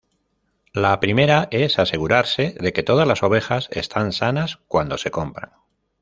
La primera es asegurarse de que todas las ovejas están sanas cuando se compran.